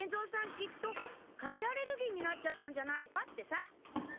きっとカニアレルギーになっちゃったんじゃないかってさ！